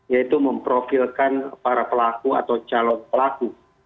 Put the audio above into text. yaitu memprofilkan para pelaku atau calon pelaku